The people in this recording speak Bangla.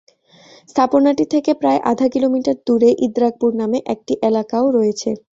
স্থাপনাটি থেকে প্রায় আধা কিলোমিটার দূরে ইদ্রাকপুর নামে একটি এলাকাও রয়েছে।